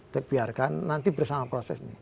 tek biarkan nanti bersama proses